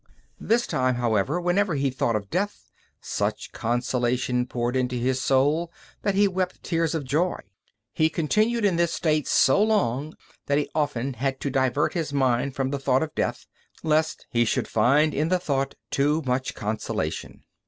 This time, however, whenever he thought of death, such consolation poured into his soul that he wept tears of joy. He continued in this state so long that he often had to divert his mind from the thought of death, lest he should find in the thought too much consolation.